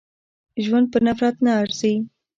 ژوند په نفرت نه ارزي.